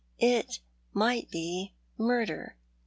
It might be murder.